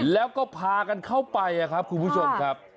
แล้วก็พากันเข้าไปครับคุณผู้ชมครับ